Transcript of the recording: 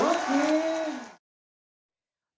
พยาวยกภีร์